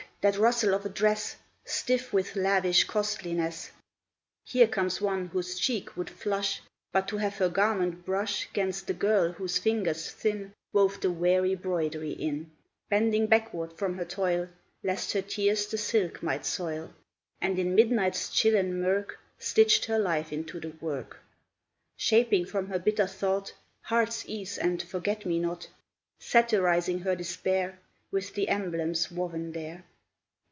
that rustle of a dress, Stiff with lavish costliness! Here comes one whose cheek would flush But to have her garment brush 'Gainst the girl whose fingers thin Wove the weary broidery in, Bending backward from her toil, Lest her tears the silk might soil, And, in midnight's chill and murk, Stitched her life into the work, Shaping from her bitter thought Heart's ease and forget me not, Satirizing her despair With the emblems woven there.